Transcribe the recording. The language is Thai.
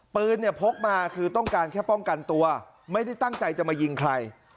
ปืนเนี่ยพกมาคือต้องการแค่ป้องกันตัวไม่ได้ตั้งใจจะมายิงใคร